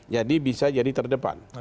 jadi bisa jadi terdepan